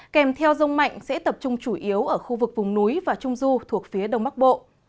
kèm theo rông mạnh sẽ tập trung chủ yếu ở khu vực vùng núi và trung du thuộc phía đông bắc bộ